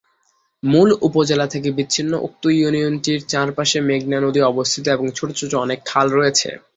মূল উপজেলা থেকে বিচ্ছিন্ন উক্ত ইউনিয়নটির চার পাশে মেঘনা নদী অবস্থিত এবং ছোট ছোট অনেক খাল রয়েছে।